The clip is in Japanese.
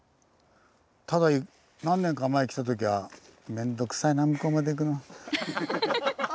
ただ何年か前来た時は「めんどくさいな向こうまで行くのは」。